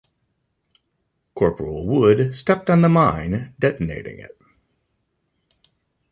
Corporal Wood stepped on the mine detonating it.